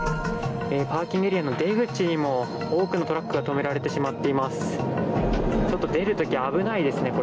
パーキングエリアの出口にも多くのトラックが止められてしまっています。